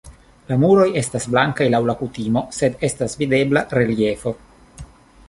La muroj estas blankaj laŭ la kutimo, sed estas videbla reliefo.